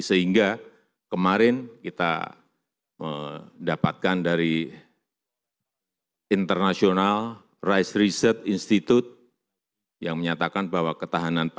sehingga kemarin kita mendapatkan dari international rice research institute yang menyatakan bahwa ketahanan pangan